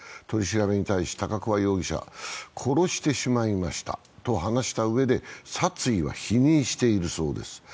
取り調べに対し、高桑容疑者、殺してしまいましたと話したうえで、殺意は否認しているそうです。